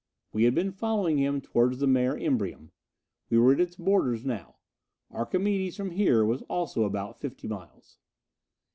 We had been following him toward the Mare Imbrium; we were at its borders now. Archimedes from here was also about fifty miles.